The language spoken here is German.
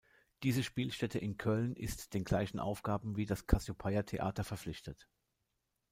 Diese Spielstätte in Köln ist den gleichen Aufgaben wie das Cassiopeia Theater verpflichtet.